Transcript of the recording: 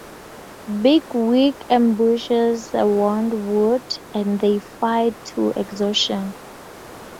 Bigwig ambushes Woundwort and they fight to exhaustion.